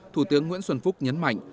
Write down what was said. thủ tướng nguyễn xuân phúc nhấn mạnh